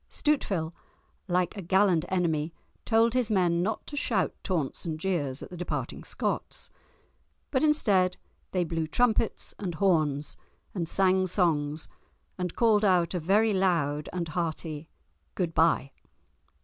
Stuteville, like a gallant enemy, told his men not to shout taunts and jeers at the departing Scots. But instead they blew trumpets and horns, and sang songs, and called out a very loud and hearty "Good bye."